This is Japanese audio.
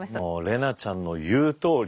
怜奈ちゃんの言うとおり。